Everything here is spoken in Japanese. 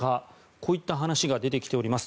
こういった話が出てきております。